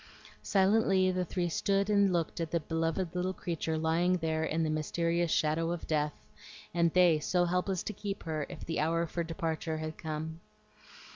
Silently the three stood and looked at the beloved little creature lying there in the mysterious shadow of death, and they so helpless to keep her if the hour for departure had come.